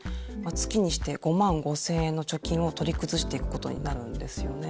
月にして５万５，０００円の貯金を取り崩していくことになるんですよね。